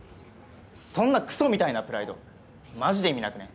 そんなクソみたいなプライドマジで意味なくね？